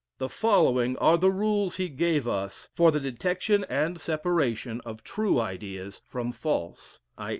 The following are the rules he gave us for the detection and separation of true ideas from false, (_i.